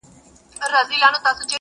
نه وېرېږې له آزاره د مرغانو -